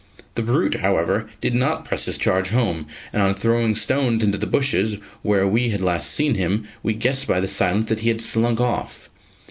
The brute, however, did not press his charge home: and on throwing stones into the bushes where we had last seen him, we guessed by the silence that he had slunk off.